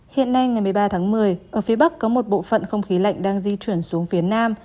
hiện nay ngày một mươi ba tháng một mươi ở phía bắc có một bộ phận không khí lạnh đang di chuyển xuống phía nam